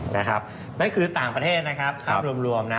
นั่นคือต่างประเทศนะครับภาพรวมนะ